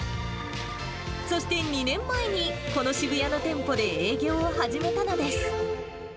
そして２年前に、この渋谷の店舗で営業を始めたのです。